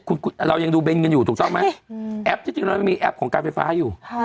คุณเรายังดูเบนกันอยู่ถูกต้องไหมแอปที่จริงเรายังมีแอปของการไฟฟ้าอยู่